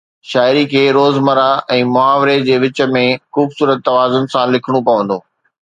شاعري کي روزمرهه ۽ محاوري جي وچ ۾ خوبصورت توازن سان لکڻو پوندو